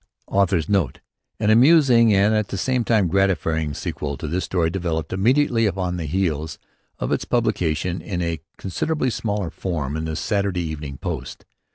AUTHOR'S NOTE. An amusing and at the same time gratifying sequel to this story developed immediately upon the heels of its publication in a considerably smaller form in the Saturday Evening Post.